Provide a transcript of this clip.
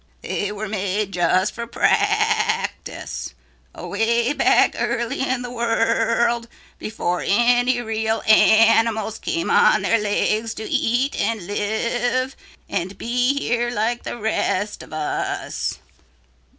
They were made just for practice, away back early in the world before any real animals came on their legs to eat and live and be here like the rest of us.